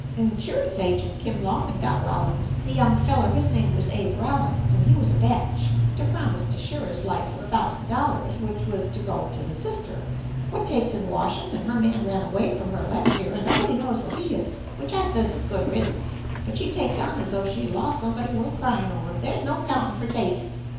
A 'nsurance agint kim 'long and got Rollins, the young feller his name was Abe Rollins, an' he was a bach, to promise to 'sure his life for a thousand dollars, which was to go t' his sister, what takes in washin', an' her man ran away from her las' year an' nobody knows where he is, which I says is good riddance, but she takes on as though she had los' somebody worth cryin' over: there's no accountin' for tastes.